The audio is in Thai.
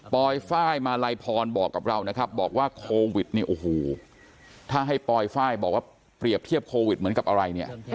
อยไฟล์มาลัยพรบอกกับเรานะครับบอกว่าโควิดนี่โอ้โหถ้าให้ปลอยไฟล์บอกว่าเปรียบเทียบโควิดเหมือนกับอะไรเนี่ย